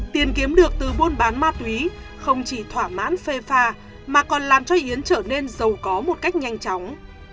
tiền kiếm được từ buôn bán ma túy không chỉ thỏa mãn phê pha mà còn làm cho yến trở nên giàu có một cách nhanh chóng